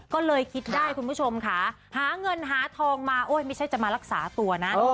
ก็เลยคิดได้คุณผู้ชมค่ะหาเงินหาทองมาโอ้ยไม่ใช่จะมารักษาตัวนะ